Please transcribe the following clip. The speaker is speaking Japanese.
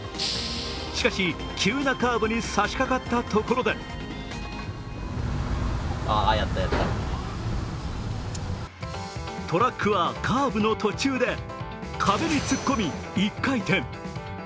しかし、急なカーブに差しかかったところでトラックはカーブの途中で壁に突っ込み１回転。